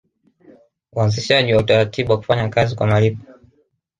Uanzishaji wa utaratibu wa kufanya kazi kwa malipo